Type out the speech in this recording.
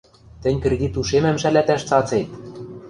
— Тӹнь кредит ушемӹм шӓлӓтӓш цацет!